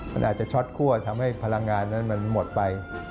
มันอาจจะช็อตคั่วทำให้พลังงานนั้นมันหมดไป